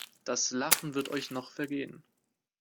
Das Lachen wird euch noch vergehen.